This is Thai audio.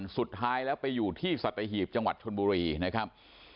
สุดท้ายแล้วไปอยู่ที่สัตหีบจังหวัดชนบุรีนะครับ